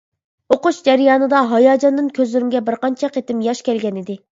ئوقۇش جەريانىدا ھاياجاندىن كۆزلىرىمگە بىر قانچە قېتىم ياش كەلگەنىدى.